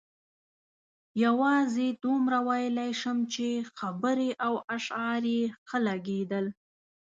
یوازې دومره ویلای شم چې خبرې او اشعار یې ښه لګېدل.